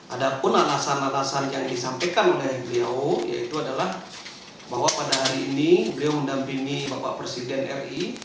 ada pun alasan alasan yang disampaikan oleh beliau yaitu adalah bahwa pada hari ini beliau mendampingi bapak presiden ri